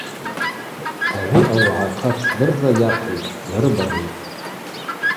Ауи ауагӏахъа тшдырра йахъвитӏ, йарыбагъьитӏ.